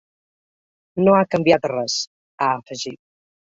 No ha canviat res, ha afegit.